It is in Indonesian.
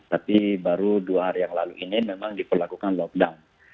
tapi baru dua hari yang lalu ini memang diperlakukan lockdown